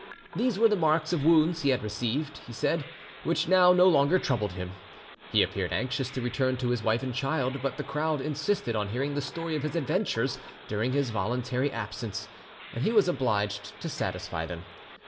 These were the marks of wounds he had received, he said; which now no longer troubled him. He appeared anxious to return to his wife and child, but the crowd insisted on hearing the story of his adventures during his voluntary absence, and he was obliged to satisfy them.